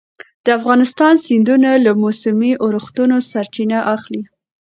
د افغانستان سیندونه له موسمي اورښتونو سرچینه اخلي.